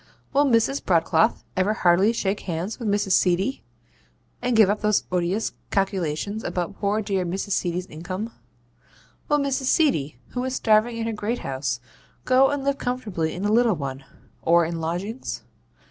Will Mrs. Broadcloth ever heartily shake hands with Mrs. Seedy, and give up those odious calculations about poor dear Mrs. Seedy's income? Will Mrs. Seedy who is starving in her great house, go and live comfortably in a little one, or in lodgings?